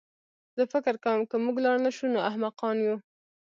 زه فکر کوم که موږ لاړ نه شو نو احمقان یو